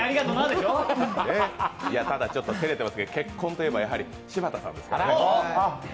ただ、ちょっと照れてますが結婚といえば柴田さんですからね。